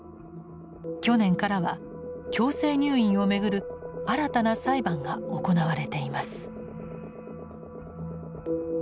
去年からは強制入院をめぐる新たな裁判が行われています。